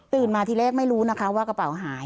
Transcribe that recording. มาทีแรกไม่รู้นะคะว่ากระเป๋าหาย